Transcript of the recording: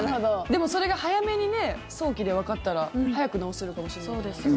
でも、それが早めに早期でわかったら早く治せるかもしれない。